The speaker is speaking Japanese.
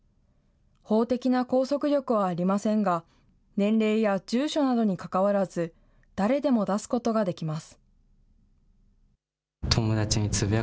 法的な拘束力はありませんが、年齢や住所などにかかわらず、誰でも出すことができます。